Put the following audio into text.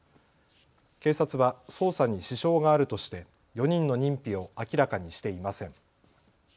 警察は捜査に支障があるとして４人の認否を明らかにしていません。